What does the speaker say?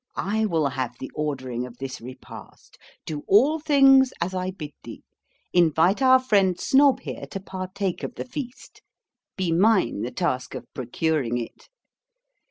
'I will have the ordering of this repast. Do all things as I bid thee. Invite our friend Snob here to partake of the feast. Be mine the task of procuring it.'